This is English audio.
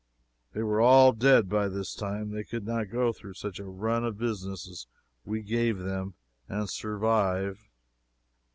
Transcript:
They are all dead by this time. They could not go through such a run of business as we gave them and survive.